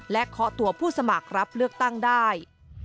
เคาะตัวผู้สมัครรับเลือกตั้งได้